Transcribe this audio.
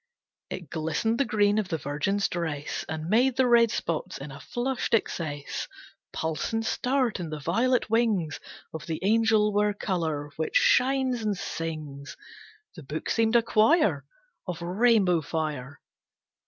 It glistened the green of the Virgin's dress And made the red spots, in a flushed excess, Pulse and start; and the violet wings Of the angel were colour which shines and sings. The book seemed a choir Of rainbow fire.